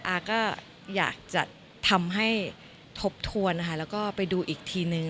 อาก็อยากจะทำให้ทบทวนนะคะแล้วก็ไปดูอีกทีนึง